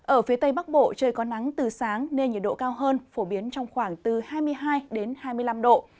ở phía tây bắc bộ trời có nắng từ sáng nên nhiệt độ cao hơn phổ biến trong khoảng từ hai mươi hai hai mươi năm độ